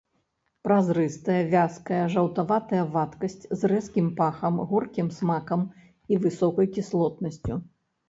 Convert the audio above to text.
Празрыстая вязкая жаўтаватая вадкасць з рэзкім пахам, горкім смакам і высокай кіслотнасцю.